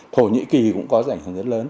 thổ nhĩ kỳ cũng có giải ảnh hưởng rất lớn